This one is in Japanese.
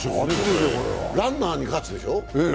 ランナーに喝でしょう？